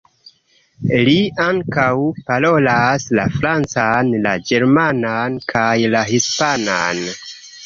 Li ankaŭ parolas la francan, la germanan kaj la hispanan.